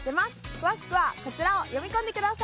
詳しくはこちらを読み込んでください！